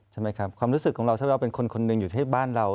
ใช่ไหมครับความรู้สึกของเราถ้าเราเป็นคนคนหนึ่งอยู่ที่บ้านเรา